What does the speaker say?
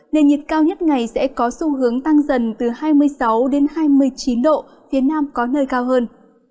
nền nhiệt cao nhất ngày sẽ có xu hướng tăng dần từ hai mươi sáu đến hai mươi chín độ phía nam có nơi cao hơn